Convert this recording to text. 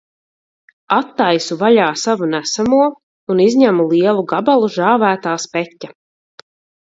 Attaisu vaļā savu nesamo un izņemu lielu gabalu žāvētā speķa.